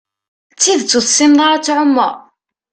D tidett ur tessineḍ ara ad tɛumeḍ?